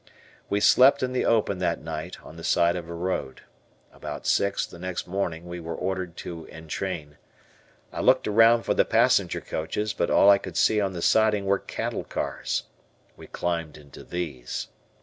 We slept in the open that night on the side of a road. About six the next morning we were ordered to entrain. I looked around for the passenger coaches, but all I could see on the siding were cattle cars. We climbed into these.